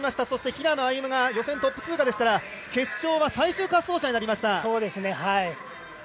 そして平野歩夢が予選トップ通過ですから決勝は最終滑走者になりました。